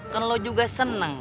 kan lo juga seneng